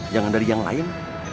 jangan dari yang lain